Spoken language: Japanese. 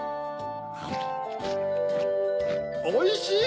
おいしい！